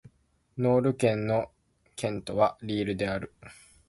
ノール県の県都はリールである